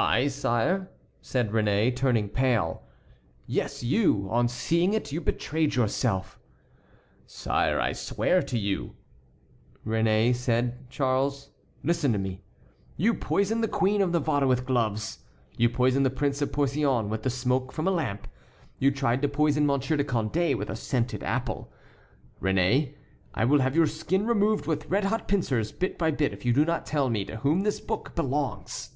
"I, sire?" said Réné, turning pale. "Yes, you; on seeing it you betrayed yourself." "Sire, I swear to you"— "Réné," said Charles, "listen to me. You poisoned the Queen of Navarre with gloves; you poisoned the Prince of Porcion with the smoke from a lamp; you tried to poison Monsieur de Condé with a scented apple. Réné, I will have your skin removed with red hot pincers, bit by bit, if you do not tell me to whom this book belongs."